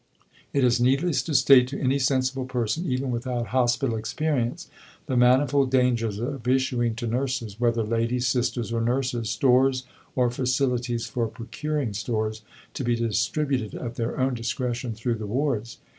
"It is needless to state to any sensible person, even without hospital experience, the manifold dangers of issuing to Nurses, whether 'Ladies, Sisters, or Nurses,' stores or facilities for procuring stores, to be distributed at their own discretion through the Wards.